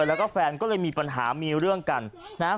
แล้วก็แฟนก็เลยมีปัญหามีเรื่องกันนะฮะ